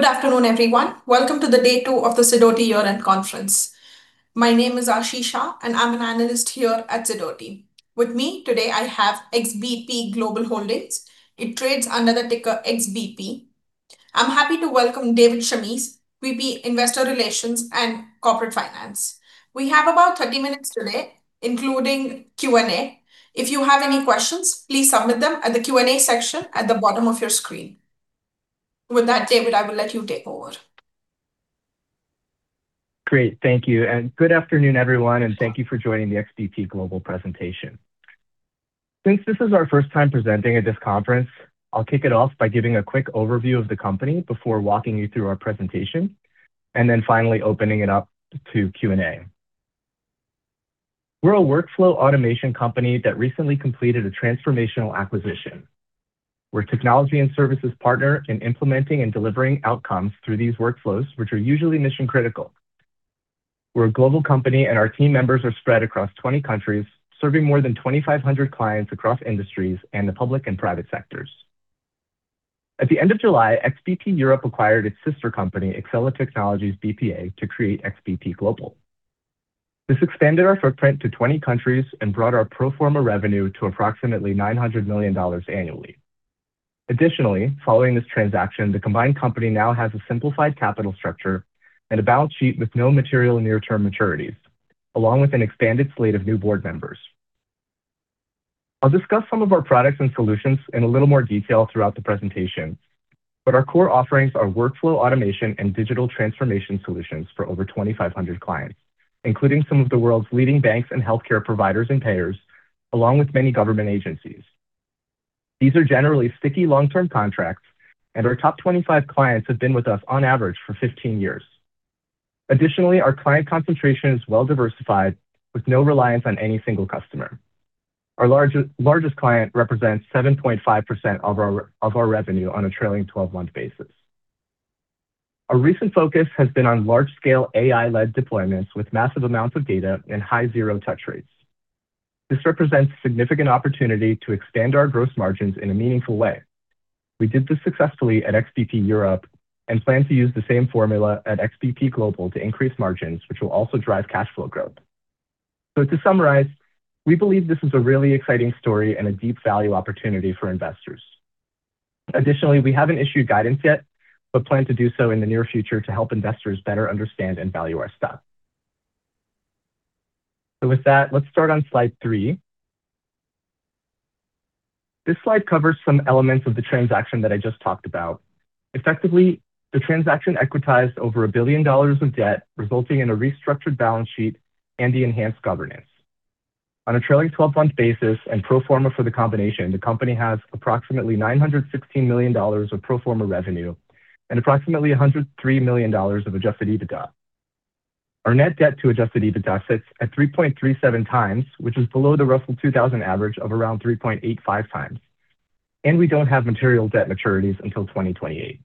Good afternoon, everyone. Welcome to Day Two of the Sidoti Year-End Conference. My name is Ashish, and I'm an analyst here at Sidoti. With me today, I have XBP Global Holdings. It trades under the ticker XBP. I'm happy to welcome David Shamis, VP Investor Relations and Corporate Finance. We have about 30 minutes today, including Q&A. If you have any questions, please submit them at the Q&A section at the bottom of your screen. With that, David, I will let you take over. Great. Thank you. And good afternoon, everyone, and thank you for joining the XBP Global presentation. Since this is our first time presenting at this conference, I'll kick it off by giving a quick overview of the company before walking you through our presentation, and then finally opening it up to Q&A. We're a workflow automation company that recently completed a transformational acquisition. We're a technology and services partner in implementing and delivering outcomes through these workflows, which are usually mission-critical. We're a global company, and our team members are spread across 20 countries, serving more than 2,500 clients across industries and the public and private sectors. At the end of July, XBP Europe acquired its sister company, Exela Technologies BPA, to create XBP Global. This expanded our footprint to 20 countries and brought our pro forma revenue to approximately $900 million annually. Additionally, following this transaction, the combined company now has a simplified capital structure and a balance sheet with no material near-term maturities, along with an expanded slate of new board members. I'll discuss some of our products and solutions in a little more detail throughout the presentation, but our core offerings are workflow automation and digital transformation solutions for over 2,500 clients, including some of the world's leading banks and healthcare providers and payers, along with many government agencies. These are generally sticky long-term contracts, and our top 25 clients have been with us on average for 15 years. Additionally, our client concentration is well-diversified, with no reliance on any single customer. Our largest client represents 7.5% of our revenue on a trailing 12-month basis. Our recent focus has been on large-scale AI-led deployments with massive amounts of data and high zero touch rates. This represents a significant opportunity to expand our gross margins in a meaningful way. We did this successfully at XBP Europe and plan to use the same formula at XBP Global to increase margins, which will also drive cash flow growth. To summarize, we believe this is a really exciting story and a deep value opportunity for investors. Additionally, we haven't issued guidance yet, but plan to do so in the near future to help investors better understand and value our stock. With that, let's start on slide three. This slide covers some elements of the transaction that I just talked about. Effectively, the transaction equitized over $1 billion of debt, resulting in a restructured balance sheet and enhanced governance. On a trailing 12-month basis and pro forma for the combination, the company has approximately $916 million of pro forma revenue and approximately $103 million of adjusted EBITDA. Our net debt to adjusted EBITDA sits at 3.37x, which is below the Russell 2000 average of around 3.85x, and we don't have material debt maturities until 2028.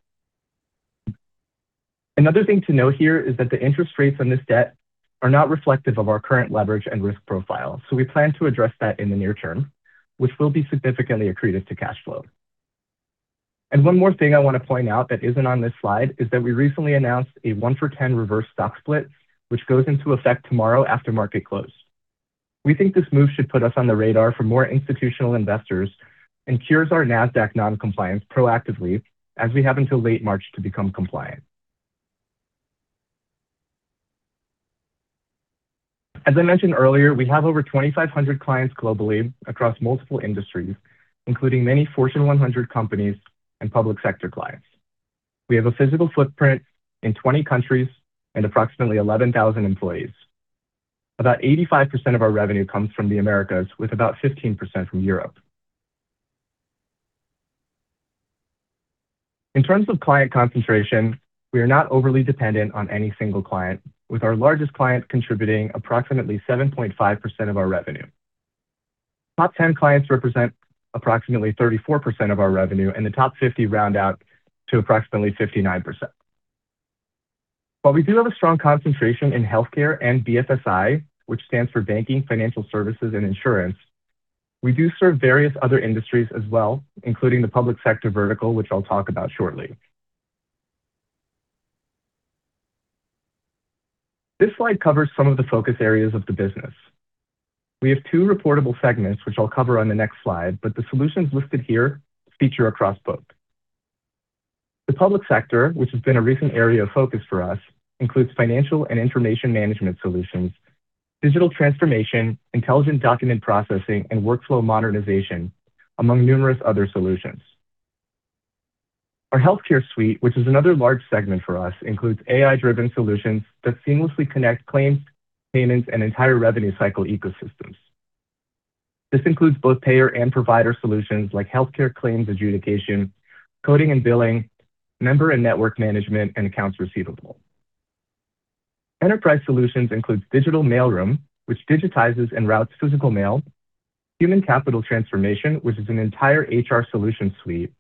Another thing to note here is that the interest rates on this debt are not reflective of our current leverage and risk profile, so we plan to address that in the near term, which will be significantly accretive to cash flow. And one more thing I want to point out that isn't on this slide is that we recently announced a one-for-ten reverse stock split, which goes into effect tomorrow after market close. We think this move should put us on the radar for more institutional investors and cure our Nasdaq non-compliance proactively, as we have until late March to become compliant. As I mentioned earlier, we have over 2,500 clients globally across multiple industries, including many Fortune 100 companies and public sector clients. We have a physical footprint in 20 countries and approximately 11,000 employees. About 85% of our revenue comes from the Americas, with about 15% from Europe. In terms of client concentration, we are not overly dependent on any single client, with our largest client contributing approximately 7.5% of our revenue. Top 10 clients represent approximately 34% of our revenue, and the top 50 round out to approximately 59%. While we do have a strong concentration in healthcare and BFSI, which stands for Banking, Financial Services, and Insurance, we do serve various other industries as well, including the public sector vertical, which I'll talk about shortly. This slide covers some of the focus areas of the business. We have two reportable segments, which I'll cover on the next slide, but the solutions listed here feature across both. The public sector, which has been a recent area of focus for us, includes financial and information management solutions, digital transformation, intelligent document processing, and workflow modernization, among numerous other solutions. Our healthcare suite, which is another large segment for us, includes AI-driven solutions that seamlessly connect claims, payments, and entire revenue cycle ecosystems. This includes both payer and provider solutions like healthcare claims adjudication, coding and billing, member and network management, and accounts receivable. c which digitizes and routes physical mail, Human Capital Transformation, which is an entire HR solution suite,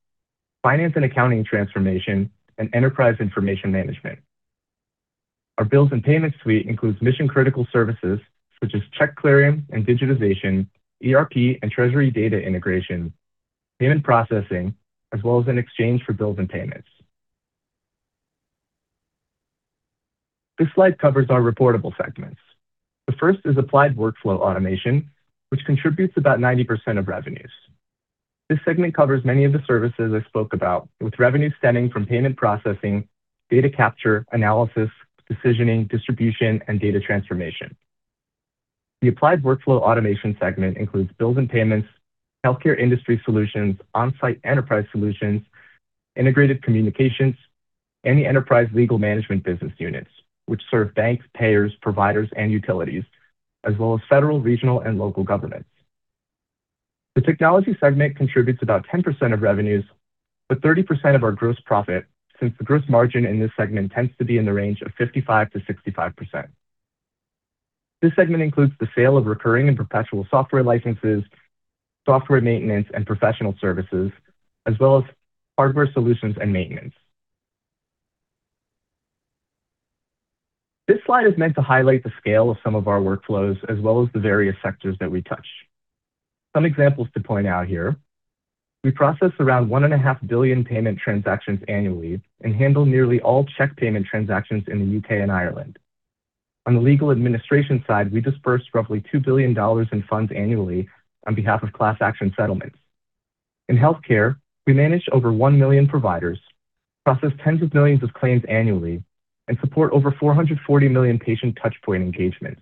Finance and Accounting Transformation, and Enterprise Information Management. Our bills and payments suite includes mission-critical services such as check clearing and digitization, ERP and treasury data integration, payment processing, as well as an exchange for bills and payments. This slide covers our reportable segments. The first is Applied Workflow Automation, which contributes about 90% of revenues. This segment covers many of the services I spoke about, with revenue stemming from payment processing, data capture, analysis, decisioning, distribution, and data transformation. The Applied Workflow Automation segment includes bills and payments, healthcare industry solutions, on-site enterprise solutions, integrated communications, and the enterprise legal management business units, which serve banks, payers, providers, and utilities, as well as federal, regional, and local governments. The technology segment contributes about 10% of revenues, but 30% of our gross profit, since the gross margin in this segment tends to be in the range of 55%-65%. This segment includes the sale of recurring and perpetual software licenses, software maintenance, and professional services, as well as hardware solutions and maintenance. This slide is meant to highlight the scale of some of our workflows, as well as the various sectors that we touch. Some examples to point out here: we process around 1.5 billion payment transactions annually and handle nearly all check payment transactions in the U.K. and Ireland. On the legal administration side, we disperse roughly $2 billion in funds annually on behalf of class action settlements. In healthcare, we manage over one million providers, process tens of millions of claims annually, and support over 440 million patient touchpoint engagements.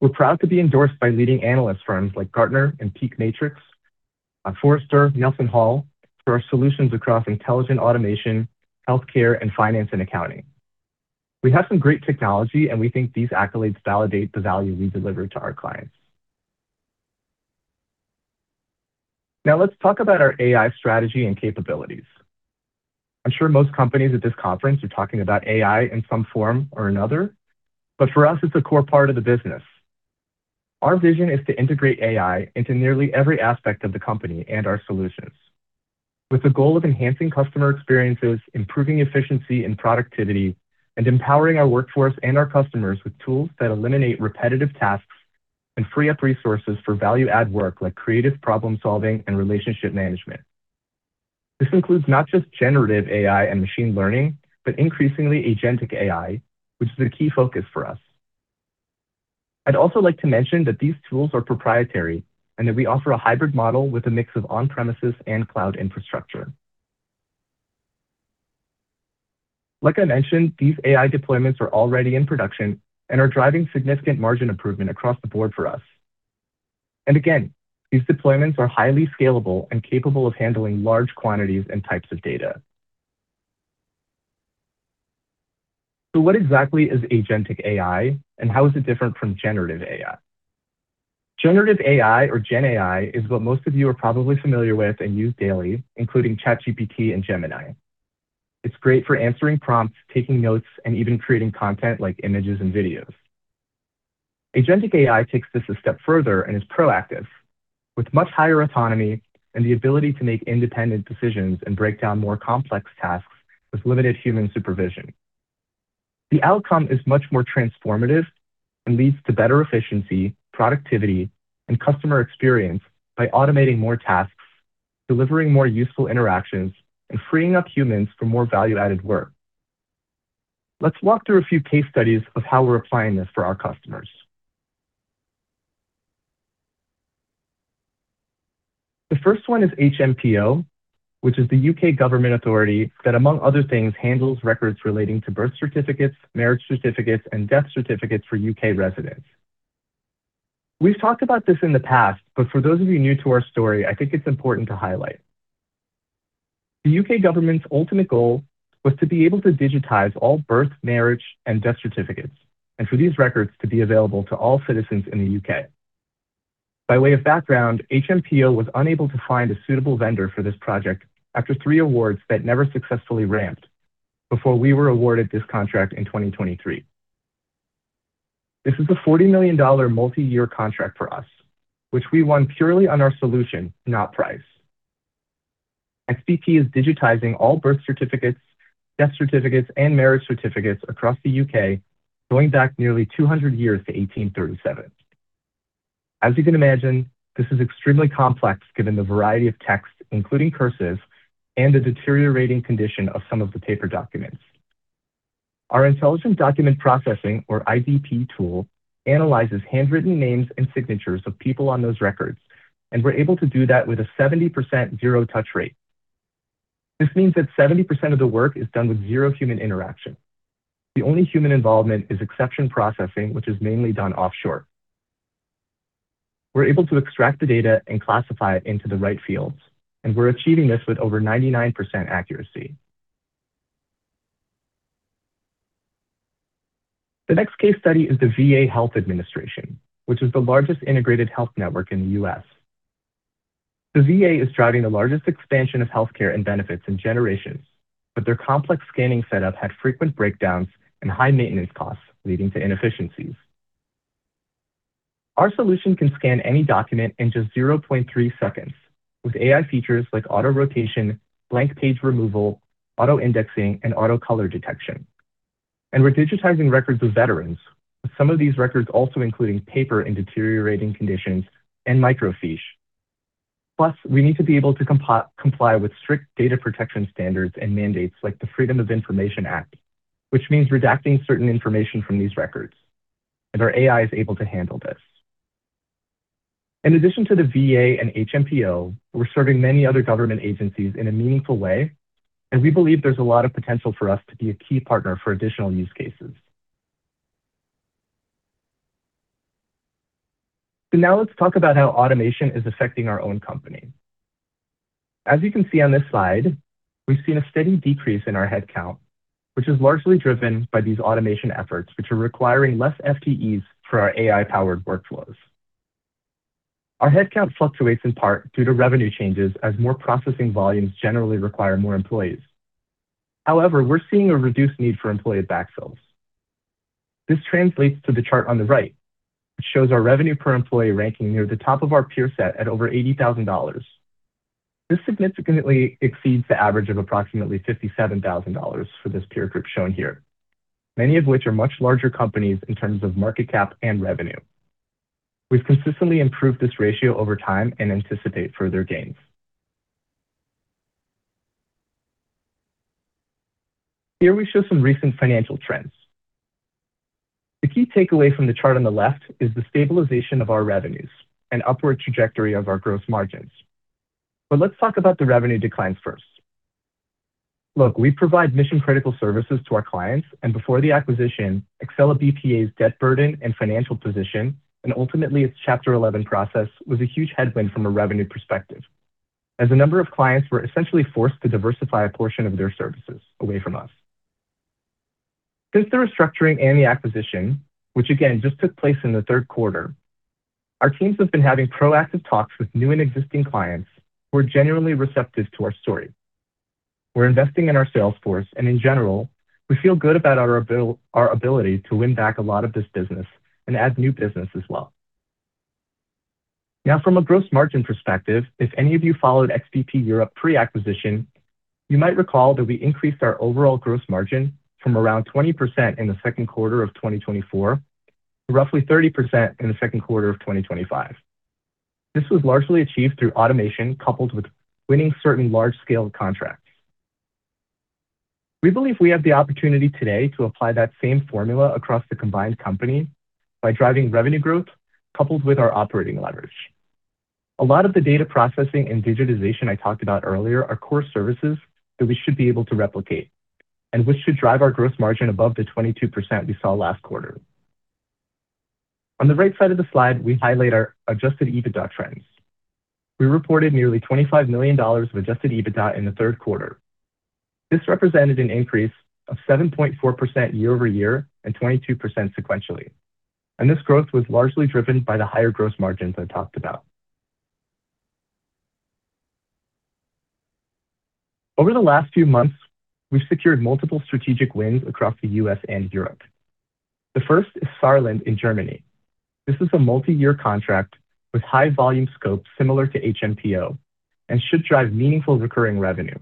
We're proud to be endorsed by leading analyst firms like Gartner and PEAK Matrix, and Forrester and NelsonHall for our solutions across intelligent automation, healthcare, and finance and accounting. We have some great technology, and we think these accolades validate the value we deliver to our clients. Now, let's talk about our AI strategy and capabilities. I'm sure most companies at this conference are talking about AI in some form or another, but for us, it's a core part of the business. Our vision is to integrate AI into nearly every aspect of the company and our solutions, with the goal of enhancing customer experiences, improving efficiency and productivity, and empowering our workforce and our customers with tools that eliminate repetitive tasks and free up resources for value-add work like creative problem-solving and relationship management. This includes not just Generative AI and machine learning, but increasingly Agentic AI, which is a key focus for us. I'd also like to mention that these tools are proprietary and that we offer a hybrid model with a mix of on-premises and cloud infrastructure. Like I mentioned, these AI deployments are already in production and are driving significant margin improvement across the board for us. And again, these deployments are highly scalable and capable of handling large quantities and types of data. So what exactly is Agentic AI, and how is it different from Generative AI? Generative AI, or GenAI, is what most of you are probably familiar with and use daily, including ChatGPT and Gemini. It's great for answering prompts, taking notes, and even creating content like images and videos. Agentic AI takes this a step further and is proactive, with much higher autonomy and the ability to make independent decisions and break down more complex tasks with limited human supervision. The outcome is much more transformative and leads to better efficiency, productivity, and customer experience by automating more tasks, delivering more useful interactions, and freeing up humans for more value-added work. Let's walk through a few case studies of how we're applying this for our customers. The first one is HMPO, which is the U.K. government authority that, among other things, handles records relating to birth certificates, marriage certificates, and death certificates for U.K. residents. We've talked about this in the past, but for those of you new to our story, I think it's important to highlight. The U.K. government's ultimate goal was to be able to digitize all birth, marriage, and death certificates, and for these records to be available to all citizens in the U.K. By way of background, HMPO was unable to find a suitable vendor for this project after three awards that never successfully ramped before we were awarded this contract in 2023. This is a $40 million multi-year contract for us, which we won purely on our solution, not price. XBP is digitizing all birth certificates, death certificates, and marriage certificates across the U.K., going back nearly 200 years to 1837. As you can imagine, this is extremely complex given the variety of text, including cursives, and the deteriorating condition of some of the paper documents. Our intelligent document processing, or IDP tool, analyzes handwritten names and signatures of people on those records, and we're able to do that with a 70% zero-touch rate. This means that 70% of the work is done with zero human interaction. The only human involvement is exception processing, which is mainly done offshore. We're able to extract the data and classify it into the right fields, and we're achieving this with over 99% accuracy. The next case study is the Veterans Health Administration, which is the largest integrated health network in the U.S. The VA is driving the largest expansion of healthcare and benefits in generations, but their complex scanning setup had frequent breakdowns and high maintenance costs, leading to inefficiencies. Our solution can scan any document in just 0.3 seconds, with AI features like auto rotation, blank page removal, auto indexing, and auto color detection. We're digitizing records of veterans, with some of these records also including paper in deteriorating conditions and microfiche. Plus, we need to be able to comply with strict data protection standards and mandates like the Freedom of Information Act, which means redacting certain information from these records, and our AI is able to handle this. In addition to the VA and HMPO, we're serving many other government agencies in a meaningful way, and we believe there's a lot of potential for us to be a key partner for additional use cases. Now let's talk about how automation is affecting our own company. As you can see on this slide, we've seen a steady decrease in our headcount, which is largely driven by these automation efforts, which are requiring less FTEs for our AI-powered workflows. Our headcount fluctuates in part due to revenue changes as more processing volumes generally require more employees. However, we're seeing a reduced need for employee backfills. This translates to the chart on the right, which shows our revenue per employee ranking near the top of our peer set at over $80,000. This significantly exceeds the average of approximately $57,000 for this peer group shown here, many of which are much larger companies in terms of market cap and revenue. We've consistently improved this ratio over time and anticipate further gains. Here we show some recent financial trends. The key takeaway from the chart on the left is the stabilization of our revenues and upward trajectory of our gross margins. But let's talk about the revenue declines first. Look, we provide mission-critical services to our clients, and before the acquisition, Exela BPA's debt burden and financial position, and ultimately its Chapter 11 process, was a huge headwind from a revenue perspective, as a number of clients were essentially forced to diversify a portion of their services away from us. Since the restructuring and the acquisition, which again just took place in the third quarter, our teams have been having proactive talks with new and existing clients who are genuinely receptive to our story. We're investing in our salesforce, and in general, we feel good about our ability to win back a lot of this business and add new business as well. Now, from a gross margin perspective, if any of you followed XBP Europe pre-acquisition, you might recall that we increased our overall gross margin from around 20% in the second quarter of 2024 to roughly 30% in the second quarter of 2025. This was largely achieved through automation coupled with winning certain large-scale contracts. We believe we have the opportunity today to apply that same formula across the combined company by driving revenue growth coupled with our operating leverage. A lot of the data processing and digitization I talked about earlier are core services that we should be able to replicate, and which should drive our gross margin above the 22% we saw last quarter. On the right side of the slide, we highlight our Adjusted EBITDA trends. We reported nearly $25 million of Adjusted EBITDA in the third quarter. This represented an increase of 7.4% year-over-year and 22% sequentially, and this growth was largely driven by the higher gross margins I talked about. Over the last few months, we've secured multiple strategic wins across the U.S. and Europe. The first is Saarland in Germany. This is a multi-year contract with high volume scope similar to HMPO and should drive meaningful recurring revenue.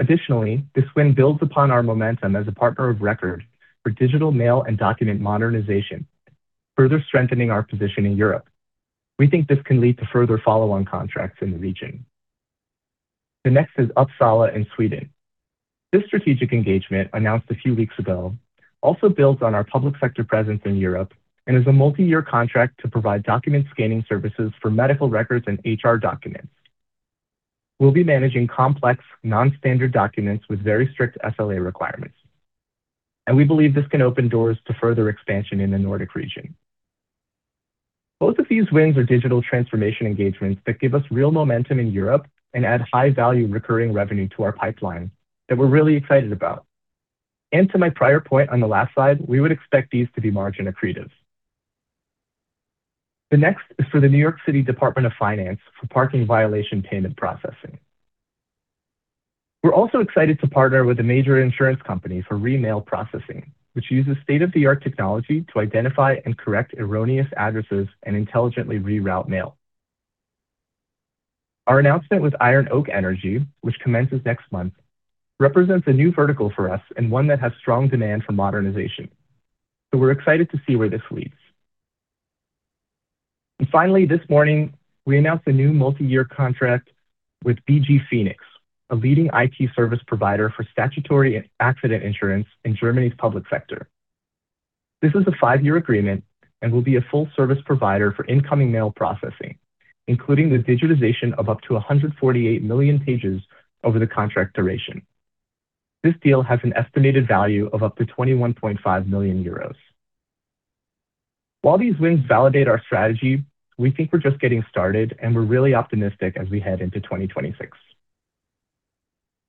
Additionally, this win builds upon our momentum as a partner of record for digital mail and document modernization, further strengthening our position in Europe. We think this can lead to further follow-on contracts in the region. The next is Uppsala in Sweden. This strategic engagement, announced a few weeks ago, also builds on our public sector presence in Europe and is a multi-year contract to provide document scanning services for medical records and HR documents. We'll be managing complex, non-standard documents with very strict SLA requirements. And we believe this can open doors to further expansion in the Nordic region. Both of these wins are digital transformation engagements that give us real momentum in Europe and add high-value recurring revenue to our pipeline that we're really excited about. And to my prior point on the last slide, we would expect these to be margin accretives. The next is for the New York City Department of Finance for parking violation payment processing. We're also excited to partner with a major insurance company for re-mail processing, which uses state-of-the-art technology to identify and correct erroneous addresses and intelligently reroute mail. Our announcement with Iron Oak Energy, which commences next month, represents a new vertical for us and one that has strong demand for modernization. So we're excited to see where this leads. Finally, this morning, we announced a new multi-year contract with BG-Phoenics, a leading IT service provider for statutory accident insurance in Germany's public sector. This is a five-year agreement and will be a full-service provider for incoming mail processing, including the digitization of up to 148 million pages over the contract duration. This deal has an estimated value of up to 21.5 million euros. While these wins validate our strategy, we think we're just getting started, and we're really optimistic as we head into 2026.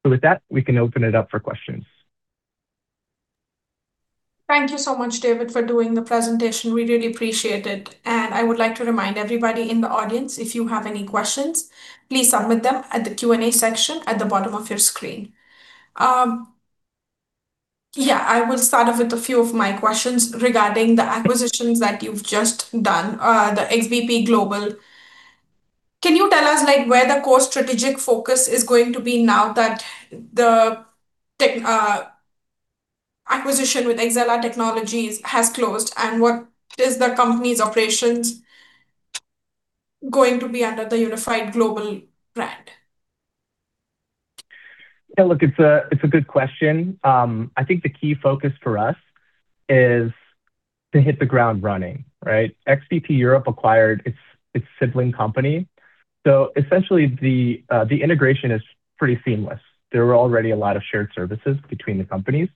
With that, we can open it up for questions. Thank you so much, David, for doing the presentation. We really appreciate it. I would like to remind everybody in the audience, if you have any questions, please submit them at the Q&A section at the bottom of your screen. Yeah, I will start off with a few of my questions regarding the acquisitions that you've just done, the XBP Global. Can you tell us where the core strategic focus is going to be now that the acquisition with Exela Technologies has closed, and what is the company's operations going to be under the Unified Global brand? Yeah, look, it's a good question. I think the key focus for us is to hit the ground running, right? XBP Europe acquired its sibling company. So essentially, the integration is pretty seamless. There were already a lot of shared services between the companies.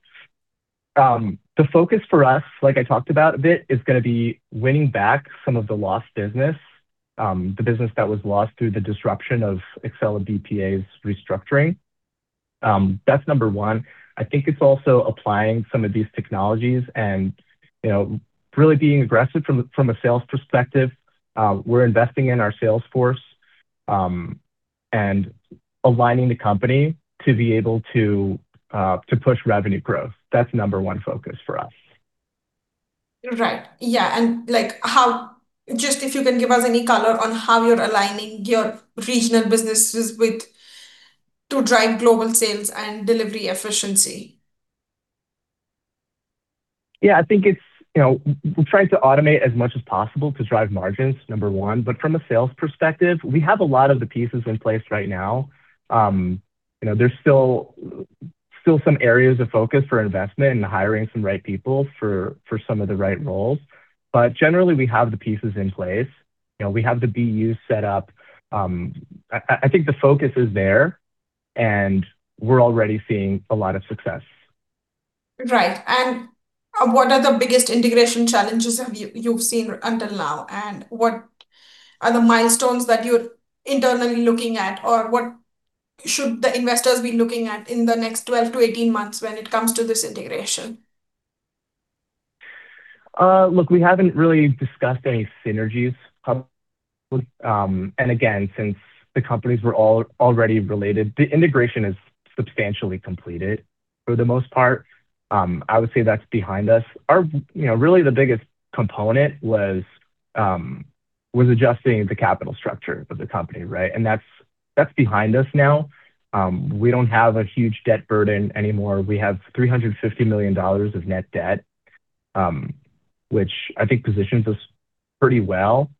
The focus for us, like I talked about a bit, is going to be winning back some of the lost business, the business that was lost through the disruption of Exela BPA's restructuring. That's number one. I think it's also applying some of these technologies and really being aggressive from a sales perspective. We're investing in our salesforce and aligning the company to be able to push revenue growth. That's number one focus for us. Right. Yeah. And just if you can give us any color on how you're aligning your regional businesses to drive global sales and delivery efficiency. Yeah, I think we're trying to automate as much as possible to drive margins, number one. But from a sales perspective, we have a lot of the pieces in place right now. There's still some areas of focus for investment and hiring some right people for some of the right roles. But generally, we have the pieces in place. We have the BU set up. I think the focus is there, and we're already seeing a lot of success. Right. What are the biggest integration challenges you've seen until now? And what are the milestones that you're internally looking at, or what should the investors be looking at in the next 12 months-18 months when it comes to this integration? Look, we haven't really discussed any synergies. And again, since the companies were already related, the integration is substantially completed for the most part. I would say that's behind us. Really, the biggest component was adjusting the capital structure of the company, right? And that's behind us now. We don't have a huge debt burden anymore. We have $350 million of net debt, which I think positions us pretty well,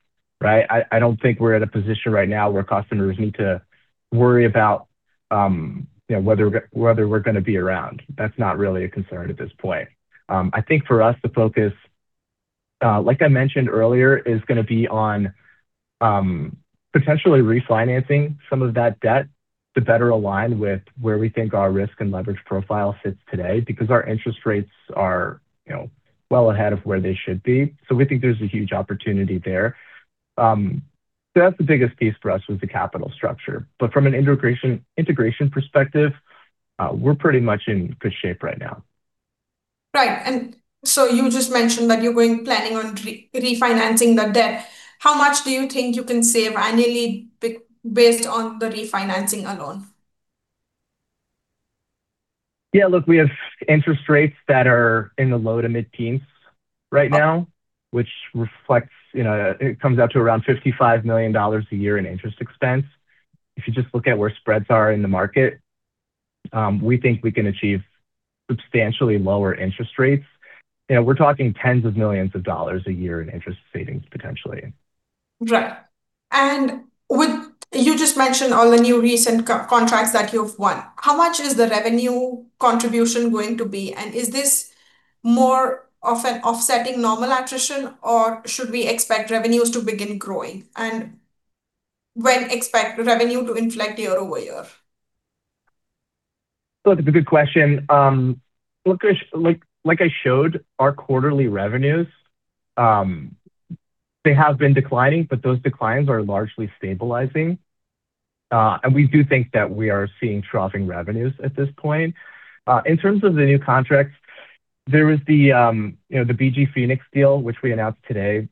right? I don't think we're at a position right now where customers need to worry about whether we're going to be around. That's not really a concern at this point. I think for us, the focus, like I mentioned earlier, is going to be on potentially refinancing some of that debt to better align with where we think our risk and leverage profile sits today because our interest rates are well ahead of where they should be. So we think there's a huge opportunity there. So that's the biggest piece for us was the capital structure. But from an integration perspective, we're pretty much in good shape right now. Right. And so you just mentioned that you're going to be planning on refinancing the debt. How much do you think you can save annually based on the refinancing alone? Yeah, look, we have interest rates that are in the low to mid-teens right now, which reflects it comes out to around $55 million a year in interest expense. If you just look at where spreads are in the market, we think we can achieve substantially lower interest rates. We're talking tens of millions of dollars a year in interest savings potentially. Right. And you just mentioned all the new recent contracts that you've won. How much is the revenue contribution going to be? And is this more of an offsetting normal attrition, or should we expect revenues to begin growing? And when expect revenue to inflect year-over-year? That's a good question. Look, like I showed, our quarterly revenues, they have been declining, but those declines are largely stabilizing. And we do think that we are seeing troughing revenues at this point. In terms of the new contracts, there is the BG-Phoenics deal, which we announced today.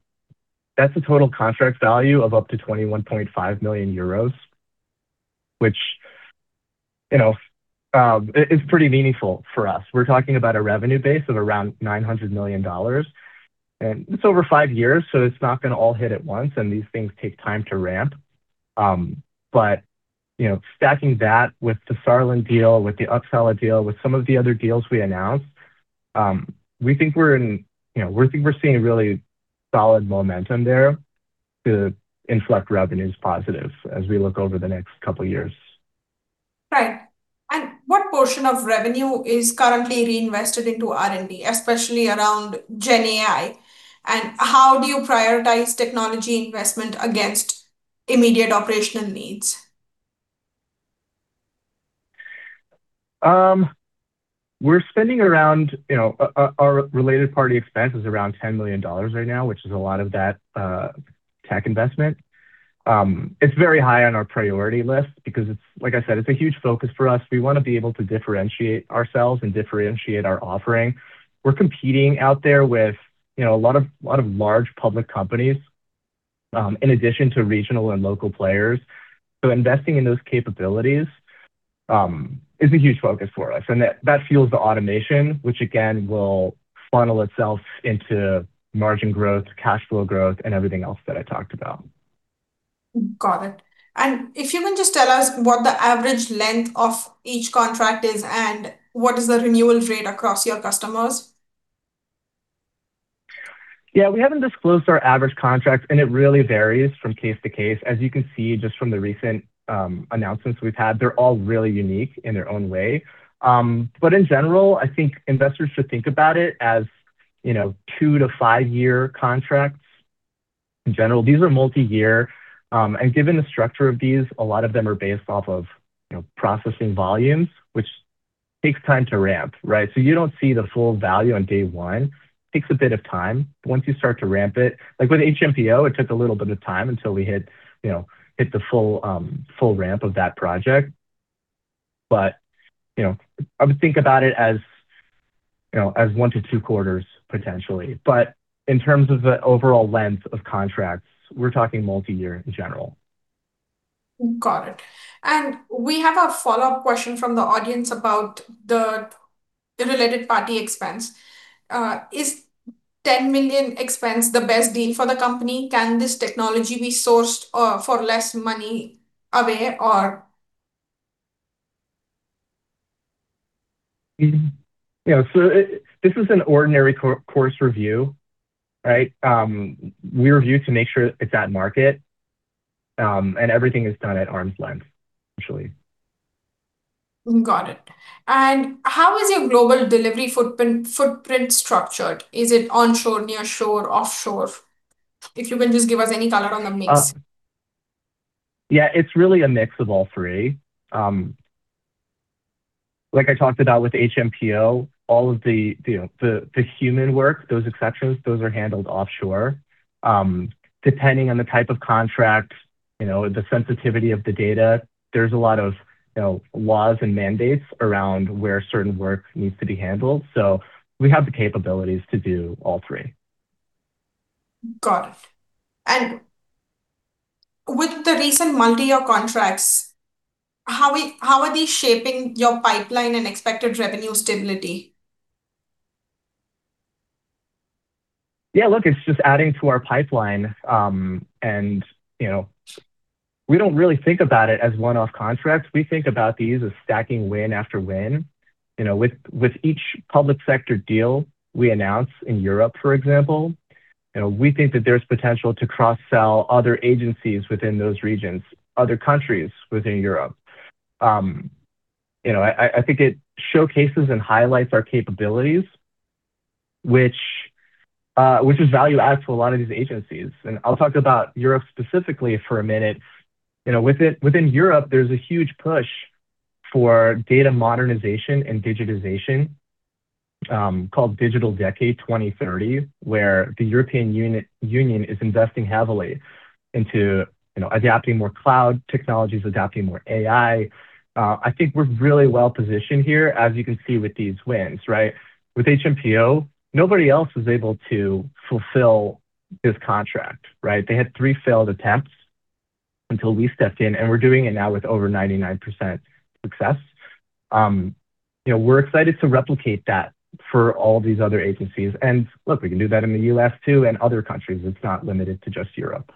That's a total contract value of up to 21.5 million euros, which is pretty meaningful for us. We're talking about a revenue base of around $900 million. It's over five years, so it's not going to all hit at once, and these things take time to ramp. But stacking that with the Saarland deal, with the Uppsala deal, with some of the other deals we announced, we think we're seeing a really solid momentum there to inflect revenues positive as we look over the next couple of years. Right. And what portion of revenue is currently reinvested into R&D, especially around Gen AI? And how do you prioritize technology investment against immediate operational needs? We're spending around our related party expenses around $10 million right now, which is a lot of that tech investment. It's very high on our priority list because, like I said, it's a huge focus for us. We want to be able to differentiate ourselves and differentiate our offering. We're competing out there with a lot of large public companies in addition to regional and local players. So investing in those capabilities is a huge focus for us. And that fuels the automation, which again will funnel itself into margin growth, cash flow growth, and everything else that I talked about. Got it. And if you can just tell us what the average length of each contract is and what is the renewal rate across your customers? Yeah, we haven't disclosed our average contracts, and it really varies from case to case. As you can see just from the recent announcements we've had, they're all really unique in their own way. But in general, I think investors should think about it as two year- to five-year contracts. In general, these are multi-year. Given the structure of these, a lot of them are based off of processing volumes, which takes time to ramp, right? So you don't see the full value on day one. It takes a bit of time. Once you start to ramp it, like with HMPO, it took a little bit of time until we hit the full ramp of that project. But I would think about it as one to two quarters potentially. But in terms of the overall length of contracts, we're talking multi-year in general. Got it. And we have a follow-up question from the audience about the related party expense. Is $10 million expense the best deal for the company? Can this technology be sourced for less money away or? Yeah. So this is an ordinary course review, right? We review to make sure it's at market, and everything is done at arm's length, essentially. Got it. And how is your global delivery footprint structured? Is it onshore, nearshore, offshore? If you can just give us any color on the mix. Yeah, it's really a mix of all three. Like I talked about with HMPO, all of the human work, those exceptions, those are handled offshore. Depending on the type of contract, the sensitivity of the data, there's a lot of laws and mandates around where certain work needs to be handled. So we have the capabilities to do all three. Got it. And with the recent multi-year contracts, how are they shaping your pipeline and expected revenue stability? Yeah, look, it's just adding to our pipeline. And we don't really think about it as one-off contracts. We think about these as stacking win after win. With each public sector deal we announce in Europe, for example, we think that there's potential to cross-sell other agencies within those regions, other countries within Europe. I think it showcases and highlights our capabilities, which is value-add to a lot of these agencies, and I'll talk about Europe specifically for a minute. Within Europe, there's a huge push for data modernization and digitization called Digital Decade 2030, where the European Union is investing heavily into adapting more cloud technologies, adapting more AI. I think we're really well positioned here, as you can see with these wins, right? With HMPO, nobody else was able to fulfill this contract, right? They had three failed attempts until we stepped in, and we're doing it now with over 99% success. We're excited to replicate that for all these other agencies, and look, we can do that in the U.S. too and other countries. It's not limited to just Europe.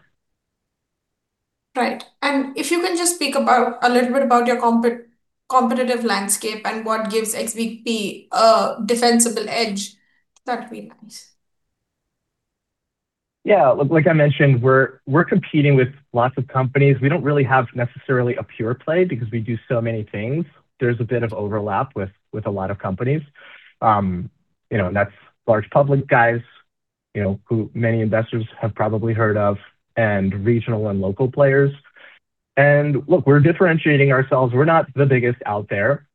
Right. And if you can just speak a little bit about your competitive landscape and what gives XBP a defensible edge, that'd be nice. Yeah. Like I mentioned, we're competing with lots of companies. We don't really have necessarily a pure play because we do so many things. There's a bit of overlap with a lot of companies. That's large public guys who many investors have probably heard of and regional and local players. And look, we're differentiating ourselves. We're not the biggest out there.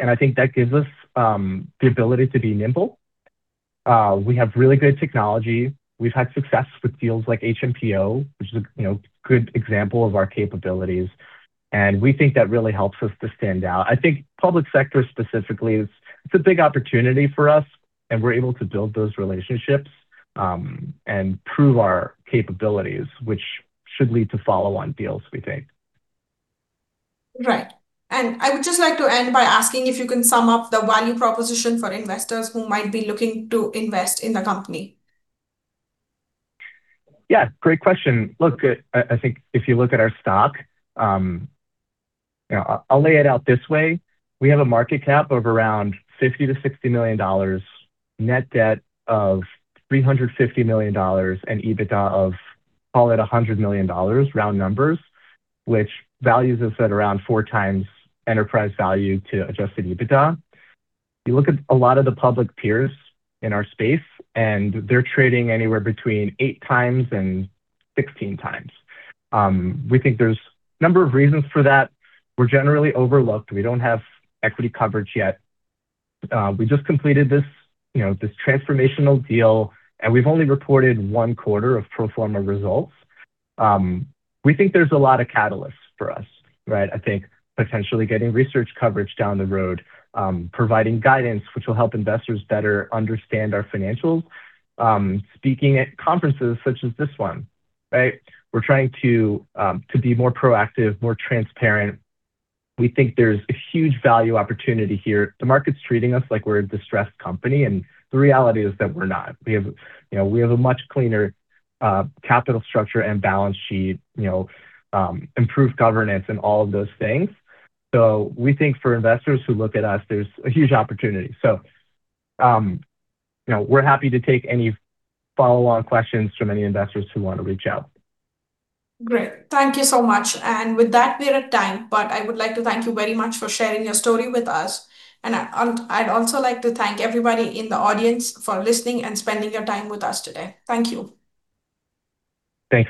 And I think that gives us the ability to be nimble. We have really good technology. We've had success with deals like HMPO, which is a good example of our capabilities. And we think that really helps us to stand out. I think public sector specifically, it's a big opportunity for us, and we're able to build those relationships and prove our capabilities, which should lead to follow-on deals, we think. Right. And I would just like to end by asking if you can sum up the value proposition for investors who might be looking to invest in the company. Yeah. Great question. Look, I think if you look at our stock, I'll lay it out this way. We have a market cap of around $50 million-$60 million, net debt of $350 million, and EBITDA of, call it $100 million, round numbers, which values us at around four times enterprise value to adjusted EBITDA. You look at a lot of the public peers in our space, and they're trading anywhere between 8x and 16 times. We think there's a number of reasons for that. We're generally overlooked. We don't have equity coverage yet. We just completed this transformational deal, and we've only reported one quarter of pro forma results. We think there's a lot of catalysts for us, right? I think potentially getting research coverage down the road, providing guidance, which will help investors better understand our financials, speaking at conferences such as this one, right? We're trying to be more proactive, more transparent. We think there's a huge value opportunity here. The market's treating us like we're a distressed company, and the reality is that we're not. We have a much cleaner capital structure and balance sheet, improved governance, and all of those things. So we think for investors who look at us, there's a huge opportunity. So we're happy to take any follow-on questions from any investors who want to reach out. Great. Thank you so much. And with that, we're at time, but I would like to thank you very much for sharing your story with us. And I'd also like to thank everybody in the audience for listening and spending your time with us today. Thank you. Thanks.